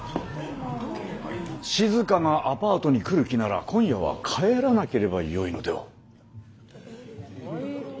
しずかがアパートに来る気なら今夜は帰らなければよいのでは？